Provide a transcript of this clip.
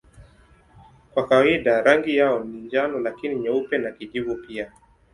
Kwa kawaida rangi yao ni njano lakini nyeupe na kijivu pia.